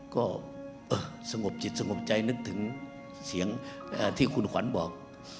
ก็สงบจิตสงบใจนึกถึงเสียงที่คุณขวัญบอก